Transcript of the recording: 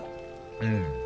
うん。